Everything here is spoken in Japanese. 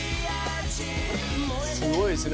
すごいですね。